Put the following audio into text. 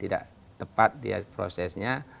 tidak tepat dia prosesnya